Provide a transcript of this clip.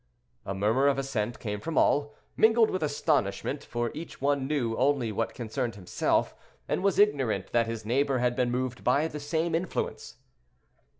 A murmur of assent came from all, mingled with astonishment, for each one knew only what concerned himself, and was ignorant that his neighbor had been moved by the same influence.